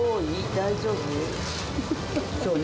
大丈夫よ。